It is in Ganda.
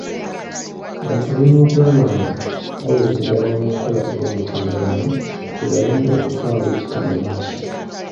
Bafube n'okulaba nga bawuliziganya mu nkola ey’omutimbagano kibayambe okutwala ekika mu maaso.